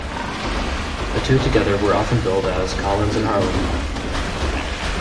The two together were often billed as "Collins and Harlan".